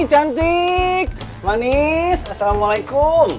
hei cantik manis assalamualaikum